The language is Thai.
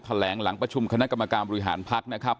แหลงหลังประชุมคณะกรรมการบริหารพักนะครับ